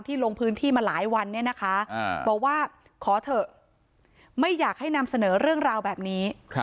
ลงพื้นที่มาหลายวันเนี่ยนะคะบอกว่าขอเถอะไม่อยากให้นำเสนอเรื่องราวแบบนี้